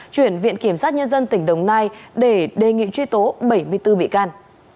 chuyển viện kiểm sát nhân dân tỉnh đồng nai để đề nghị truy tố bảy mươi bốn bị can